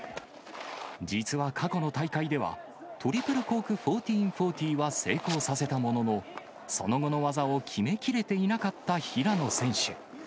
実は過去の大会では、トリプルコーク１４４０は成功させたものの、その後の技を決め切れていなかった平野選手。